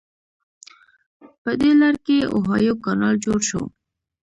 په دې لړ کې اوهایو کانال جوړ شو.